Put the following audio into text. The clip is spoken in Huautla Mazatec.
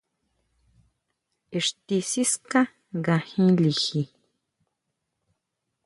Ixti siská nga jin liji.